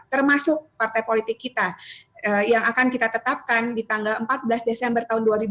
termasuk partai politik kita yang akan kita tetapkan di tanggal empat belas desember dua ribu dua puluh